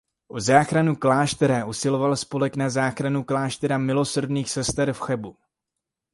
O záchranu kláštera usiloval Spolek na záchranu kláštera milosrdných sester v Chebu.